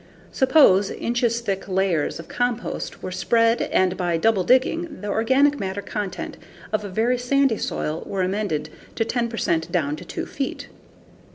Suppose inches thick layers of compost were spread and, by double digging, the organic matter content of a very sandy soil were amended to 10 percent down to 2 feet.